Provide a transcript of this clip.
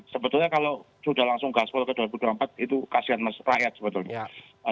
sebetulnya kalau sudah langsung gaspol ke dua ribu dua puluh empat itu kasihan rakyat sebetulnya